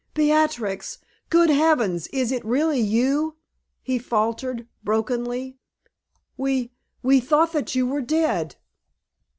"Beatrix! Good heavens! is it really you?" he faltered, brokenly. "We we thought that you were dead!"